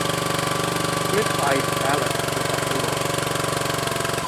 Smith eyed Alec with approval.